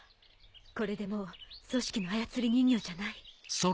これでもう組織の操り人形じゃない。